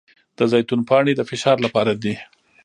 د زیتون پاڼې د فشار لپاره دي.